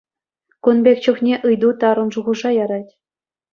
Кун пек чухне ыйту тарӑн шухӑша ярать.